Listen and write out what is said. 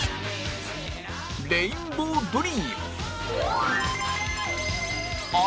レインボードリーム！